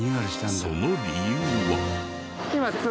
その理由は。